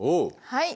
はい。